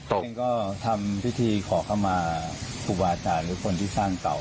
ผมก็ทำพิธีขอเข้ามาครูบาอาจารย์หรือคนที่สร้างเก่า